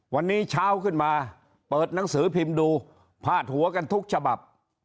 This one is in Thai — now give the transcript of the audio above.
วันนี้เช้าขึ้นมาเปิดหนังสือพิมพ์ดูพาดหัวกันทุกฉบับ